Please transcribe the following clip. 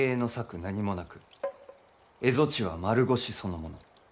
何もなく蝦夷地は丸腰そのもの。